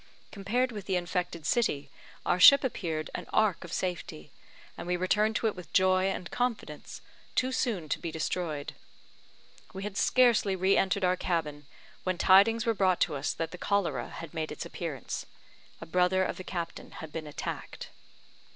Compared with the infected city, our ship appeared an ark of safety, and we returned to it with joy and confidence, too soon to be destroyed. We had scarcely re entered our cabin, when tidings were brought to us that the cholera had made its appearance: a brother of the captain had been attacked.